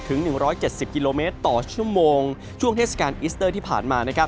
๑๗๐กิโลเมตรต่อชั่วโมงช่วงเทศกาลอิสเตอร์ที่ผ่านมานะครับ